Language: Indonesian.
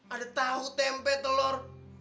ada tahu tempe telur